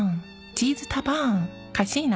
チーズタバーンカシーナ。